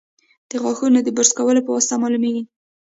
د غاښونو د برس کولو په واسطه معلومېږي.